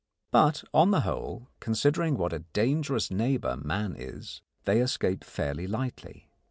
But, on the whole, considering what a dangerous neighbour man is, they escape fairly lightly.